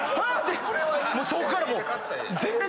そっからもう。